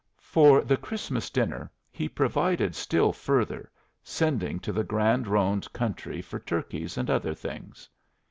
For the Christmas dinner he provided still further sending to the Grande Ronde country for turkeys and other things.